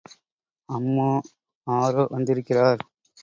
அம்மா ஆரோ வந்திருக்கிறார்.